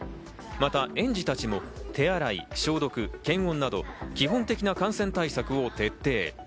また園児たちも手洗い、消毒、検温など基本的な感染対策を徹底。